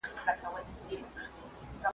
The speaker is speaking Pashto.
نن د هغو فرشتو سپین هغه واورین لاسونه .